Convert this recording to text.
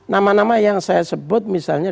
nama nama yang saya sebut misalnya